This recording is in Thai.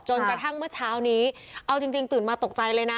กระทั่งเมื่อเช้านี้เอาจริงตื่นมาตกใจเลยนะ